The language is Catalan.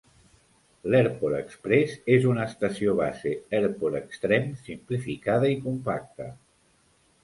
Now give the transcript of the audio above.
L'AirPort Express és una estació base AirPort Extreme simplificada i compacta.